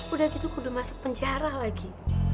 udah gitu kudu masuk penjara lagi